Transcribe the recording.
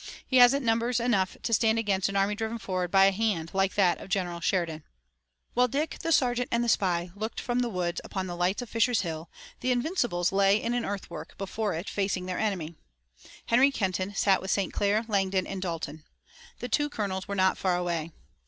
He hasn't numbers enough to stand against an army driven forward by a hand like that of General Sheridan." While Dick, the sergeant and the spy looked from the woods upon the lights of Fisher's Hill the Invincibles lay in an earthwork before it facing their enemy. Harry Kenton sat with St. Clair, Langdon and Dalton. The two colonels were not far away.